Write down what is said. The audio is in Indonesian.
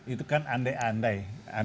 itu kan andai andai